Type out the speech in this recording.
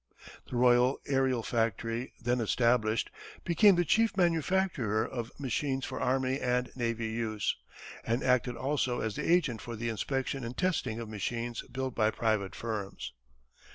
The Royal Aërial Factory, then established, became the chief manufacturer of machines for army and navy use, and acted also as the agent for the inspection and testing of machines built by private firms.